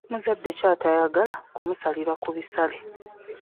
Muzadde ki atayagala kumusalira ku bisale?